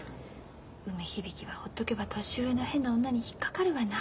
「梅響はほっとけば年上の変な女に引っ掛かる」はないですよ。